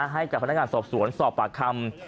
ให้กับพนักงานสอบสวนสอบปากคำ